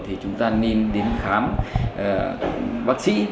thì chúng ta nên đến khám bác sĩ